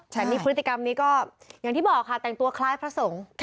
แต่นี่พฤติกรรมนี้ก็อย่างที่บอกค่ะแต่งตัวคล้ายพระสงฆ์